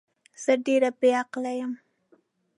زه ډیر بی عقل یم